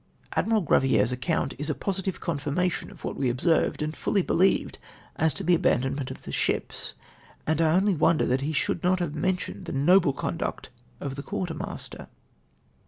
Admiral Grraviere's account is a positive confirmation of Avhat we observed and fully believed as to the abandonment of the ships, and I only wonder that he should not have mentioned the noble conduct of the quarter master.